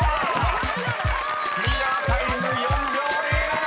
［クリアタイム４秒０７］